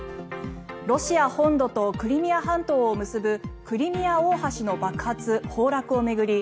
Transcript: ロシア本土とクリミア半島を結ぶクリミア大橋の爆発・崩落を巡り